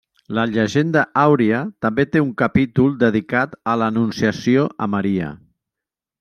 La Llegenda Àuria també té un capítol dedicat a l'Anunciació a Maria.